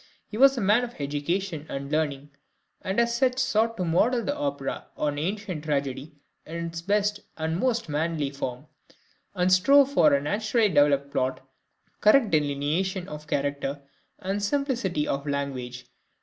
He was a man of education and learning, and as such sought to model the opera on ancient tragedy in its best and most manly form, and strove for a naturally developed plot, correct delineation of character, and simplicity of language.